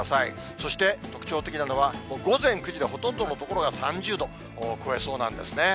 そして、特徴的なのは、午前９時でほとんどの所が３０度を超えそうなんですね。